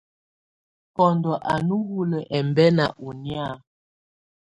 Bɔndɔ á nɔ̀ hulǝ́ ɛmbɛna ɔnɛ̀á.